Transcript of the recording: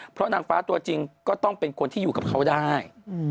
เพราะนางฟ้าตัวจริงก็ต้องเป็นคนที่อยู่กับเขาได้